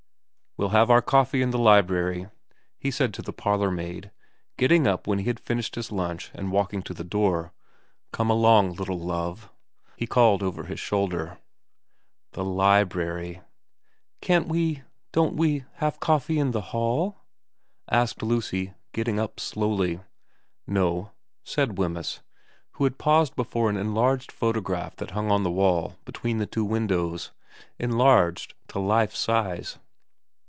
' We'll have coffee in the library,' he said to the parlourmaid, getting up when he had finished his lunch and walking to the door. * Come along, little Love,' he called over his shoulder. The library. ...' Can't we don't we have coffee in the hall ?' asked Lucy, getting up slowly. ' No,' said Wemyss, who had paused before an enlarged photograph that hung on the wall between the two windows, enlarged to life size.